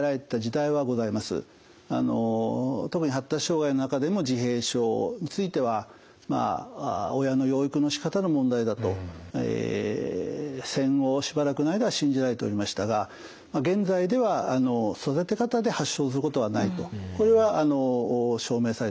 特に発達障害の中でも自閉症については親の養育のしかたの問題だと戦後しばらくの間は信じられておりましたがそこは是非注意していただければと思います。